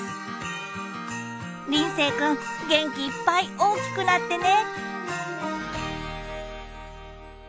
りんせいくん元気いっぱい大きくなってね。